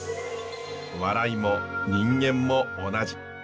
笑いも人間も同じ。